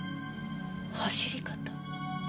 走り方。